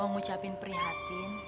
aku mau ucapin perhatian